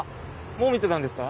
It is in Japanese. もう見てたんですか？